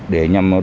để nhằm đối tượng